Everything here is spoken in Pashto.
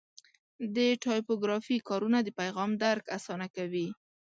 د ټایپوګرافي کارونه د پیغام درک اسانه کوي.